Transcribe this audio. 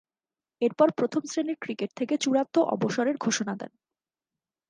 এরপর প্রথম-শ্রেণীর ক্রিকেট থেকে চূড়ান্ত অবসরের ঘোষণা দেন।